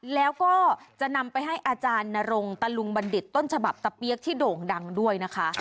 แล้วก็จะนำไปให้อาจารย์นรงตะลุงบัณฑิตต้นฉบับตะเปี๊ยกที่โด่งดังด้วยนะคะ